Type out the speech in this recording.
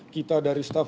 kita dari staff